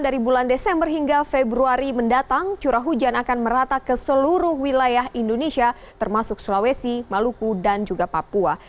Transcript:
dari bulan desember hingga februari mendatang curah hujan akan merata ke seluruh wilayah indonesia termasuk sulawesi maluku dan juga papua